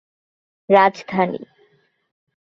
রাজধানী